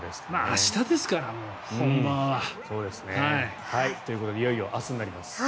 明日ですから本番は。ということでいよいよ明日になります。